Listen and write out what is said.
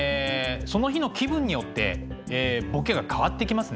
その日の気分によってボケが変わってきますね。